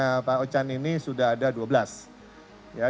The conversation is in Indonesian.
ngantri beli gasnya pak ochan ini sudah ada dua belas